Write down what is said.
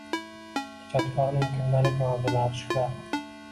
Ijodkorning kundalik mavzulari shular.